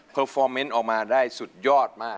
พอฟอร์เมนต์ออกมาได้สุดยอดมาก